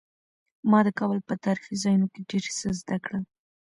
ما د کابل په تاریخي ځایونو کې ډېر څه زده کړل.